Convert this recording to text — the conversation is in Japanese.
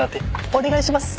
お願いします。